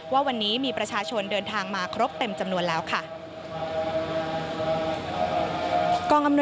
ว่าวันนี้มีประชาชนเดินทางมาครบเต็มจำนวนแล้วค่ะ